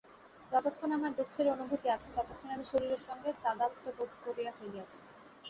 যতক্ষণ আমার দুঃখের অনুভূতি আছে, ততক্ষণ আমি শরীরের সঙ্গে তাদাত্ম্যবোধ করিয়া ফেলিয়াছি।